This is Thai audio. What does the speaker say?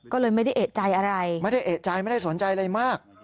ก็เลยไม่ได้เอกใจอะไรไม่ได้เอกใจไม่ได้สนใจอะไรมาก